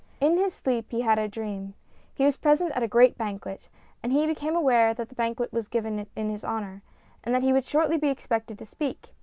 In his sleep he had a dream. He was present at a great banquet, and he became aware that the banquet was given in his honour, and that he would shortly be expected to speak.